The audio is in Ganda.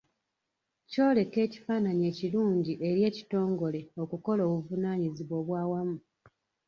Kyoleka ekifaananyi ekirungi eri ekitongole okukola obuvunaanyizibwa obwa wamu.